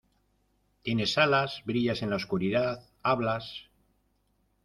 ¡ Tienes alas! ¡ brillas en la oscuridad !¡ hablas !